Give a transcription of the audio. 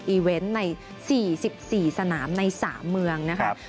เวนต์ใน๔๔สนามใน๓เมืองนะครับ